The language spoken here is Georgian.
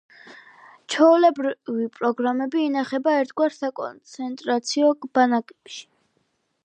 ჩვეულებრივი პროგრამები ინახება ერთგვარ საკონცენტრაციო ბანაკებში.